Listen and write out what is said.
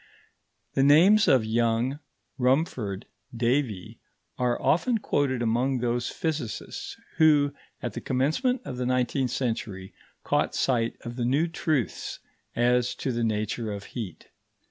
The names of Young, Rumford, Davy, are often quoted among those physicists who, at the commencement of the nineteenth century, caught sight of the new truths as to the nature of heat.